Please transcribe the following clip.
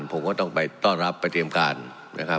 ผมก็ต้องไปต้อนรับไปเตรียมการนะครับ